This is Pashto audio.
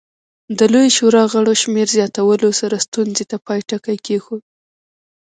د لویې شورا غړو شمېر زیاتولو سره ستونزې ته پای ټکی کېښود.